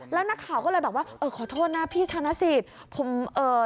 แล้วนักข่าวก็เลยบอกว่าขอโทษนะพี่ธนสิทธิ์